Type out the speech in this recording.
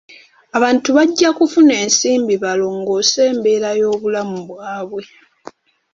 Abantu bajja kufuna ensimbi balongoose embeera y'obulamu bwabwe.